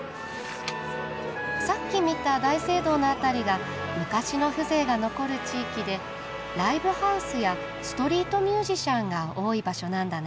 さっき見た大聖堂の辺りが昔の風情が残る地域でライブハウスやストリートミュージシャンが多い場所なんだね。